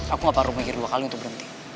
aku gak baru mikir dua kali untuk berhenti